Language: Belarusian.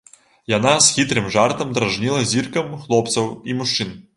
Яна з хітрым жартам дражніла зіркам хлопцаў і мужчын.